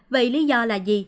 vậy lý do là gì